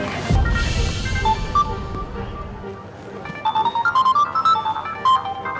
itu saya kabarin ya